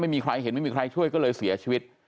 ไม่มีใครเห็นไม่มีใครช่วยก็เลยเสียชีวิต